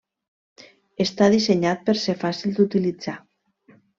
Està dissenyat per ser fàcil d'utilitzar.